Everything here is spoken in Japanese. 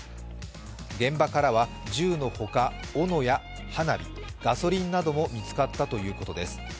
現場からは銃の他、おのや花火、ガソリンなども見つかったということです。